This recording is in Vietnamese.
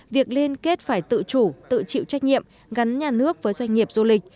việc liên kết phải tự chủ tự chịu trách nhiệm gắn nhà nước với doanh nghiệp du lịch